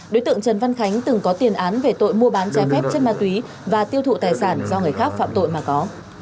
đối tượng trần văn khánh từng có tiền án về tội mua bán trái phép chất ma túy và tiêu thụ tài sản do người khác phạm tội mà có